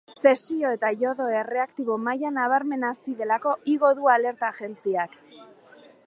Zesio eta iodo erradioaktibo maila nabarmen hazi delako igo du alerta agentziak.